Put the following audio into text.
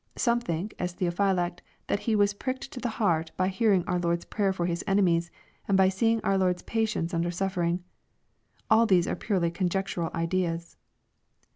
— Some think, as Theophylact, that he was pricked to the heart by hearing our Lord's prayer for His enemies, and by seeing our Lord's patience under sui3fering. All these are purely conjec tural ideas.